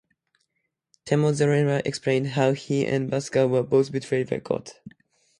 Temozarela explained how he and Vascar were both betrayed by God.